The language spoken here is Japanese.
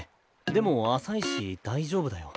でも浅いし大丈夫だよ。